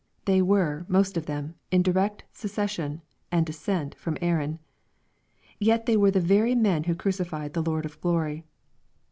They were, most of them, in direct succession and descent from Aaron. Yet they were the very men who crucified the Lord of glory